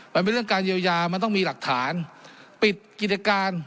มันเป็นเรื่องการเยียวยามันต้องมีหลักฐานปิดกิจการ